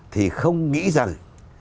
thì không nghĩ rằng